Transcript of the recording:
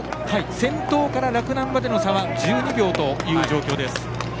先頭から洛南までの差は１２秒という状況です。